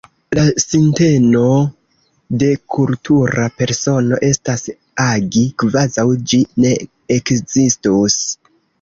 La sinteno de kultura persono estas agi kvazaŭ ĝi ne ekzistus.